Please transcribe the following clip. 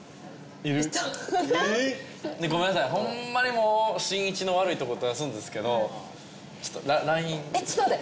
いたごめんなさいホンマにもうしんいちの悪いところ出すんですけどちょっとＬＩＮＥえっちょっと待って！